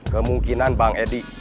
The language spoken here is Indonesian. kemungkinan bang edi